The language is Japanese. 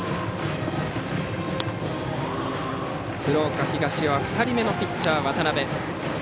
鶴岡東は２人目のピッチャー、渡辺。